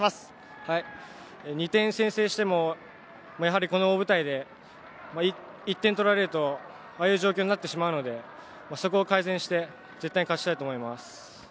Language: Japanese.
２点先制しても、この大舞台で１点取られると、ああいう状況になってしまうので、そこを改善して絶対に勝ちたいと思います。